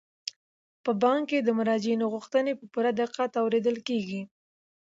په بانک کې د مراجعینو غوښتنې په پوره دقت اوریدل کیږي.